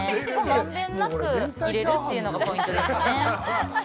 まんべんなく入れるというのがポイントですね。